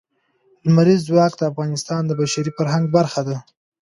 لمریز ځواک د افغانستان د بشري فرهنګ برخه ده.